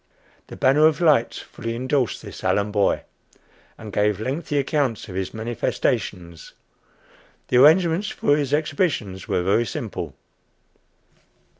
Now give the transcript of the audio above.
"The Banner of Light" fully indorsed this Allen boy, and gave lengthy accounts of his manifestations. The arrangements for his exhibition were very simple.